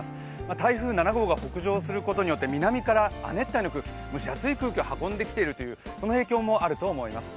台風７号が北上することによって南から亜熱帯の空気、蒸し暑い空気を運んできている影響もあると思います。